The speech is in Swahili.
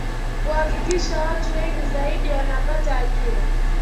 kuhakikisha watu wengi zaidi wanapata ajira